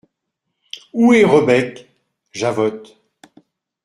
Où est Rebec ? JAVOTTE.